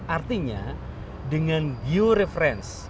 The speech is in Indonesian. artinya dengan georeference